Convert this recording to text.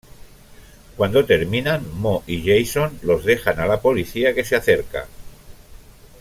Cuando terminan, Mo y Jason los dejan a la policía que se acerca.